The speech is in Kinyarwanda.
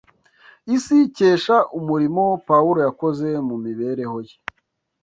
isi ikesha umurimo Pawulo yakoze mu mibereho ye?